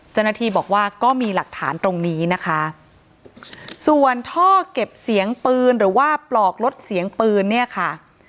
เจ้าหน้าที่บอกว่าก็มีหลักฐานตรงนี้นะคะส่วนท่อเก็บเสียงปืนหรือว่าปลอกลดเสียงปืนเนี่ยค่ะ